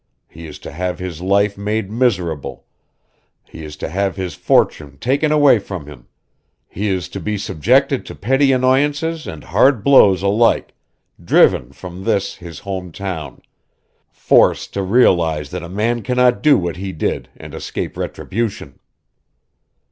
He is to have his life made miserable, he is to have his fortune taken away from him, he is to be subjected to petty annoyances and hard blows alike, driven from this, his home town, forced to realize that a man cannot do what he did and escape retribution."